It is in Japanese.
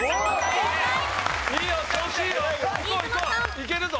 いけるぞ。